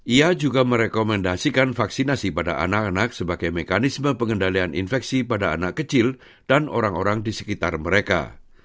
ia juga merekomendasikan vaksinasi pada anak anak sebagai mekanisme pengendalian infeksi pada anak kecil dan orang orang di sekitar mereka